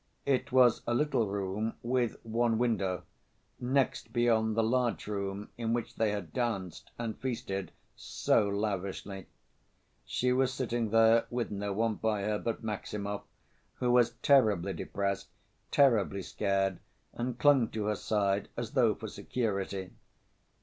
It was a little room with one window, next beyond the large room in which they had danced and feasted so lavishly. She was sitting there with no one by her but Maximov, who was terribly depressed, terribly scared, and clung to her side, as though for security.